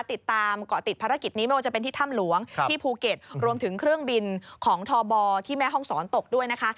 ติดตามเกาะติดภารกิจนี้ไม่ว่าจะเป็นที่ถ้ำหลวงที่ภูเก็ตรวมถึงเครื่องบินของทบที่แม่ห้องศรตกด้วยนะคะ